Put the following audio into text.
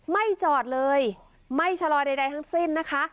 ไม่จอดเลยไม่ชะลอใดทั้งสิ้นนะคะ